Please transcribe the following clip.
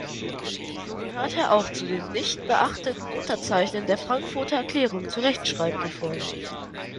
So gehört er auch zu den „nicht beachteten Unterzeichnern der Frankfurter Erklärung zur Rechtschreibreform“.